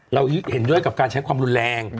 เราเห็นด้วยกับการใช้ความรุนแรง